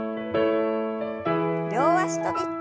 両脚跳び。